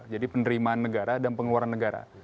jadi penerimaan negara dan pengeluaran negara